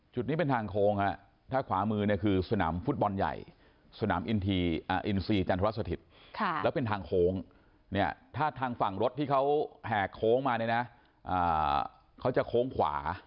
นี้เป็นทางโค้งฮะถ้าขวามือเนี่ยคือสนามฟุตบอลใหญ่สนามอินซีจันทรสถิตแล้วเป็นทางโค้งเนี่ยถ้าทางฝั่งรถที่เขาแหกโค้งมาเนี่ยนะเขาจะโค้งขวา